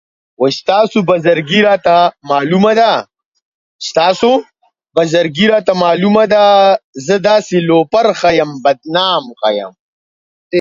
These contracts would be for same-sex couples, as well as for heterosexual couples.